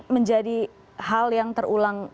menjadi hal yang terulang